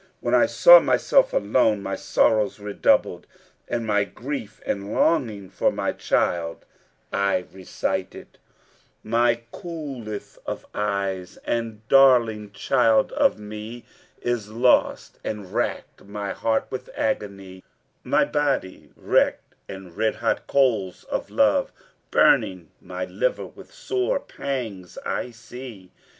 When I saw myself alone my sorrows redoubled and my grief and longing for my child, and I recited, 'My coolth of eyes, the darling child of me * Is lost, and racked my heart with agony; My body wrecked, and red hot coals of love * Burning my liver with sore pangs, I see.